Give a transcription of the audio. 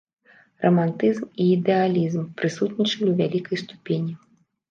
Рамантызм і ідэалізм прысутнічалі ў вялікай ступені.